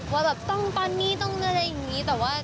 ว่าตอนนี้ต้องติดต่อ